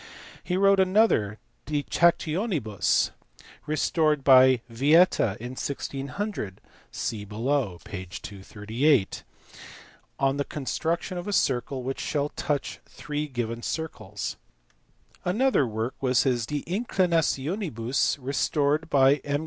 He wrote another De Tactionibus (restored by Yieta in 1600 ; see below, p. 238) on the construc tion of a circle which shall touch three given circles. Another work was his De Inclinationibus (restored by M.